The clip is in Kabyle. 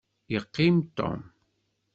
Yeqqim Tom.